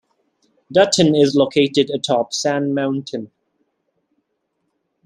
Dutton is located atop Sand Mountain.